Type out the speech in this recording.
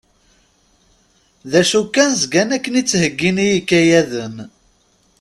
D acu kan zgan akken i ttheyyin i yikayaden.